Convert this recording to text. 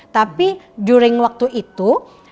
tapi during waktu itu